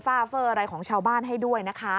ฟาเฟอร์อะไรของชาวบ้านให้ด้วยนะคะ